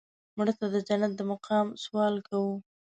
مړه ته د جنت د مقام سوال کوو